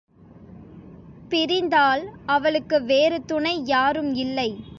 பிரிந்தால் அவளுக்கு வேறு துணை யாரும் இல்லை.